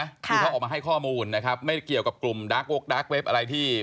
ที่เขาออกมาให้ข้อมูลนะครับไม่ได้เกี่ยวกับกลุ่มดาร์กวกดาร์กเว็บอะไรที่